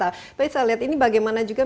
tapi saya lihat ini bagaimana juga